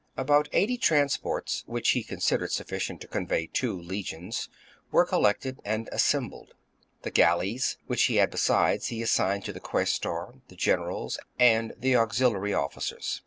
About eighty transports, which he considered sufficient to convey two legions, were collected and assembled ; the galleys which he had besides he assigned to the quaestor, the generals, and the auxiliary officers.